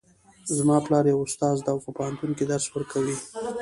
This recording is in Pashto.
زما پلار یو استاد ده او په پوهنتون کې درس ورکوي